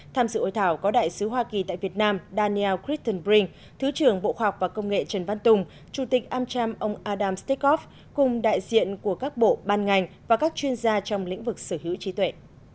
tham dự hội thảo có đại sứ hoa kỳ tại việt nam daniel crittenbrink thứ trưởng bộ khoa học và công nghệ trần văn tùng chủ tịch amcham ông adam stekov cùng đại diện của các bộ ban ngành và các chuyên gia trong lĩnh vực sở hữu trí tuệ